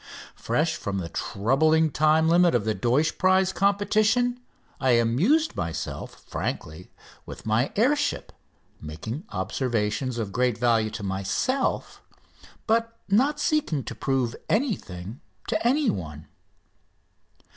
Fresh from the troubling time limit of the Deutsch prize competition I amused myself frankly with my air ship, making observations of great value to myself, but not seeking to prove anything to anyone.